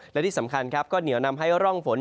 และที่สำคัญครับก็เหนียวนำให้ร่องฝน